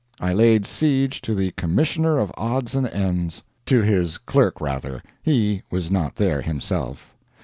I laid siege to the Commissioner of Odds and Ends. To his clerk, rather he was not there himself.